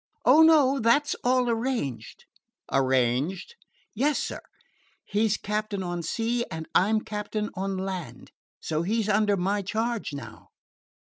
"Ah, no. That 's all arranged." "Arranged?" "Yes, sir. He 's captain on sea, and I 'm captain on land. So he 's under my charge now."